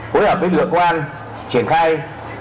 hối hợp với lựa quan triển khai